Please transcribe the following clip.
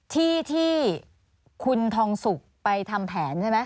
ที่ที่คุณทองสุกไปทำแผนใช่ไหม